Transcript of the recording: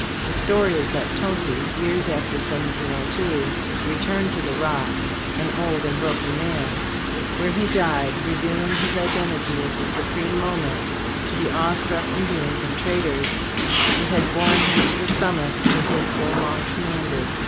The story is that Tonty, years after 1702, returned to the Rock, an old and broken man, where he died, revealing his identity at the supreme moment to the awe struck Ind ians and traders who had borne him to the summit where he had so long commanded.